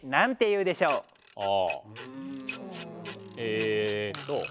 あえっと。